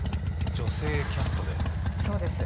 女性キャストでそうです